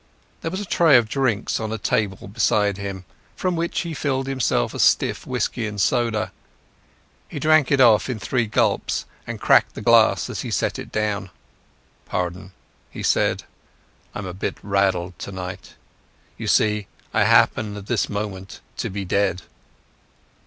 There was a tray of drinks on a table beside him, from which he filled himself a stiff whisky and soda. He drank it off in three gulps, and cracked the glass as he set it down. "Pardon," he said, "I'm a bit rattled tonight. You see, I happen at this moment to be dead."